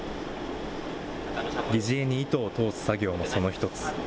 疑似餌に糸を通す作業もその一つ。